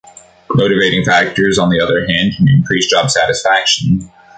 Motivating factors, on the other hand, can increase job satisfaction.